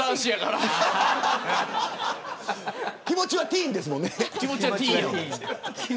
気持ちはティーンですもんね